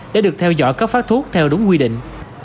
để được theo dõi cấp phát thuốc theo đúng quy định